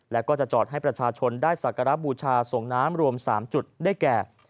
และก็จะจอดให้ประชาชนได้สักการะบูชาส่งน้ำรวม๓จุดได้แก่